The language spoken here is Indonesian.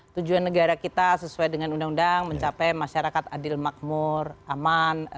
tujuan negara kita sesuai dengan undang undang mencapai masyarakat adil makmur aman